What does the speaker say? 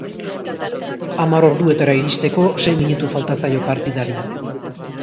Hamar orduetara iristeko sei minutu falta zaio partidari.